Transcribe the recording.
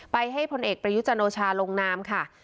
ไปให้ผลเอกประยุทธ์จันโลชาลงน้ำค่ะ